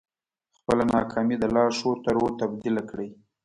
خپله ناکامي د لا ښو طرحو تبديله کړئ.